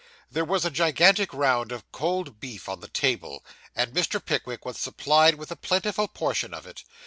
There was a gigantic round of cold beef on the table, and Mr. Pickwick was supplied with a plentiful portion of it.